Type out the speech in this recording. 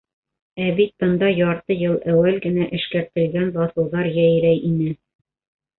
Ә бит бында ярты йыл әүәл генә эшкәртелгән баҫыуҙар йәйрәй ине.